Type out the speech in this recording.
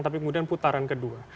tapi kemudian putaran kedua